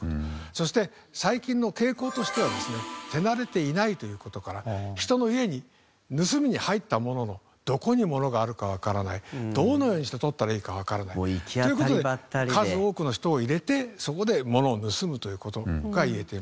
そして最近の傾向としてはですね手慣れていないという事から人の家に盗みに入ったもののどこにものがあるかわからないどのようにして取ったらいいかわからない。という事で数多くの人を入れてそこでものを盗むという事が言えています。